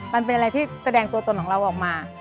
มันเป็นอะไรที่แสดงตัวตนของเราออกมา